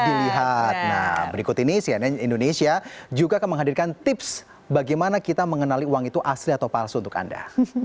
nah berikut ini cnn indonesia juga akan menghadirkan tips bagaimana kita mengenali uang itu asli atau palsu untuk anda